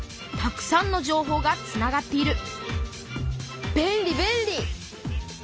たくさんの情報がつながっている便利便利！